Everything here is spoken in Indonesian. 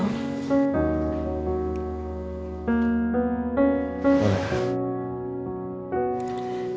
aku gak mau bercerai dengan raja